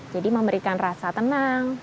jadi memberikan rasa tenang